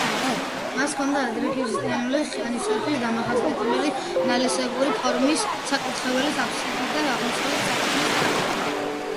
მას ჰქონდა ადრექრისტიანული ხანისთვის დამახასიათებელი ნალისებური ფორმის საკურთხევლის აფსიდი და აღმოსავლეთი სარკმლის თაღი.